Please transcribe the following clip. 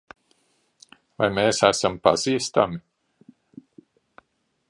Vai mēs esam pazīstami?